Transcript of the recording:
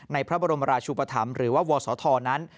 ในพระบรมราชุปธรรมหรือว่าวศธนั้น